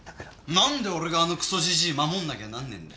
なんで俺があのクソじじい守んなきゃなんねえんだ。